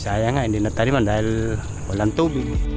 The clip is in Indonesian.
sayangnya ini tadi menandai bulan tobi